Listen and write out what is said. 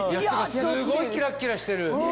すごいキラッキラしてる。